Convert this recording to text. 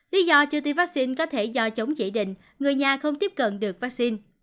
lý do chưa tiêm vaccine có thể do chống chỉ định người nhà không tiếp cận được vaccine